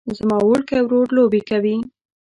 زما وړوکی ورور لوبې کوي